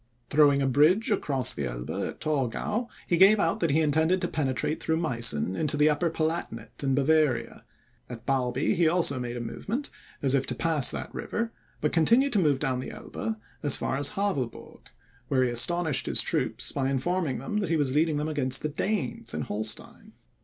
Throwing a bridge across the Elbe at Torgau, he gave out that he intended to penetrate through Meissen into the Upper Palatinate in Bavaria; at Barby he also made a movement, as if to pass that river, but continued to move down the Elbe as far as Havelburg, where he astonished his troops by informing them that he was leading them against the Danes in Holstein.